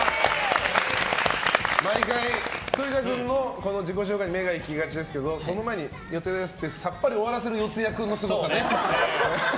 毎回、栗田君の自己紹介に目が行きがちですけどその前に、四谷ですってさっぱり終わらせる四谷君の姿ね。